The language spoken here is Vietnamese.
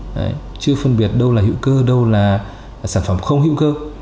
đấy chưa phân biệt đâu là hữu cơ đâu là sản phẩm không hữu cơ